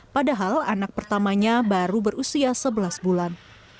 padahal anak pertamanya baru berusia sebelas bulan